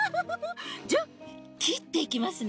じゃきっていきますね。